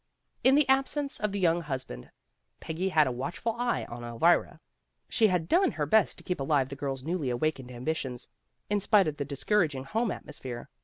In the absence of the young husband Peggy had a watchful eye on Elvira. She had done her best to keep alive the girl 's newly awakened ambitions, in spite of the discouraging home atmosphere.